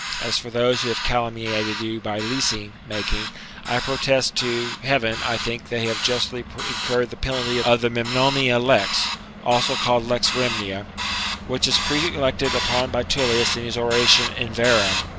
As for those who have calumniated you by leasing making, I protest to Heaven I think they have justly incurred the penalty of the "Memnonia Lex," also called "Lex Rhemnia," which is prelected upon by Tullius in his oration "In Verrem."